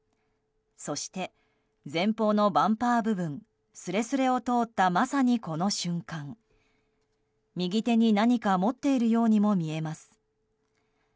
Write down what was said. そして、前方のバンパー部分すれすれを通ったまさにこの瞬間、右手に何か持っているようにも見えます。